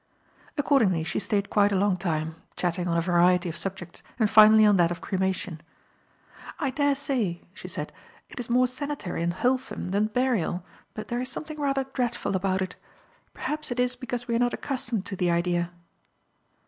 Accordingly she stayed quite a long time, chatting on a variety of subjects and finally on that of cremation. "I daresay," she said, "it is more sanitary and wholesome than burial, but there is something rather dreadful about it. Perhaps it is because we are not accustomed to the idea."